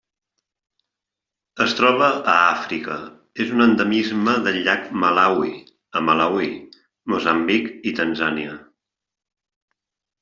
Es troba a Àfrica: és un endemisme del llac Malawi a Malawi, Moçambic i Tanzània.